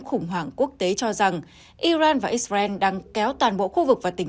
khủng hoảng quốc tế cho rằng iran và israel đang kéo toàn bộ khu vực và tình